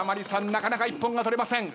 なかなか一本が取れません。